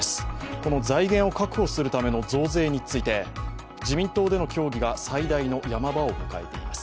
この財源を確保するための増税について、自民党での協議が最大のヤマ場を迎えています。